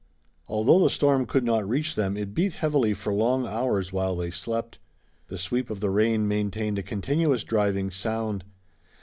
Although the storm could not reach them it beat heavily for long hours while they slept. The sweep of the rain maintained a continuous driving sound.